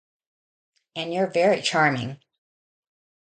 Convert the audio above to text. And you're very charming.